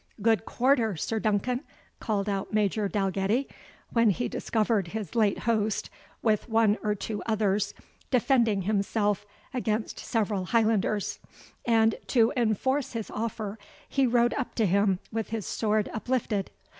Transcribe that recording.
"Good quarter, Sir Duncan," called out Major Dalgetty, when he discovered his late host, with one or two others, defending himself against several Highlanders; and, to enforce his offer, he rode up to him with his sword uplifted.